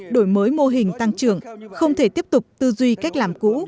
đổi mới mô hình tăng trưởng không thể tiếp tục tư duy cách làm cũ